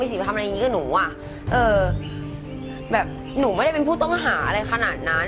พี่สิไปทำแบบนี้ก็หนูอะเอ่อแบบหนูไม่ได้เป็นผู้ต้องหาอะไรขนาดนั้น